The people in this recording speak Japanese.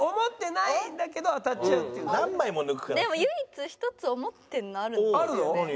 でも唯一１つ思ってるのあるんですよね。